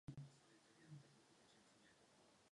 Hrál také ve skupině Captain Beyond.